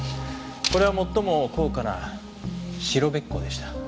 これは最も高価な白べっこうでした。